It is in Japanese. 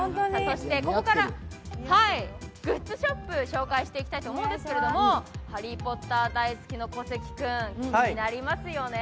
ここからグッズショップを紹介していきたいと思うんですけれどもハリー・ポッター大好きの小関君、気になりますよね？